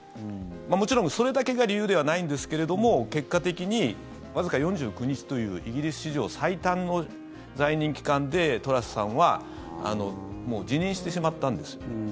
もちろん、それだけが理由ではないんですけれども結果的に、わずか４９日というイギリス史上最短の在任期間でトラスさんは辞任してしまったんです。